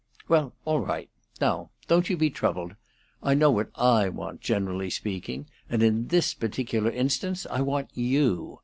"Well, all right. Now don't you be troubled. I know what I want, generally, speaking, and in this particular instance I want you.